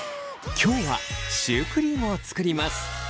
今日はシュークリームを作ります。